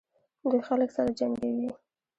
دوی خلک سره جنګوي.